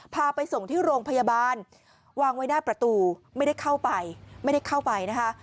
พาไปส่งที่โรงพยาบาลวางไว้หน้าประตูไม่ได้เข้าไปไม่ได้เข้าไปนะคะ